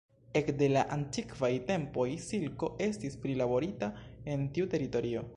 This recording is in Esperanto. Ekde la antikvaj tempoj silko estis prilaborita en tiu teritorio.